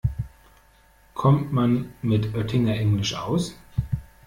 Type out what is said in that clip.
Kommt man mit Oettinger-Englisch aus?